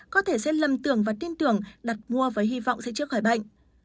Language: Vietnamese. có thể sẽ lầm tưởng và tin tưởng đặt mua với hy vọng sẽ trước khỏi bệnh